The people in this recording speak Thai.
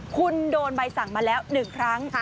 คุณโดนใบสั่งมาแล้ว๑ครั้ง